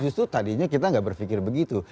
justru tadinya kita nggak berpikir begitu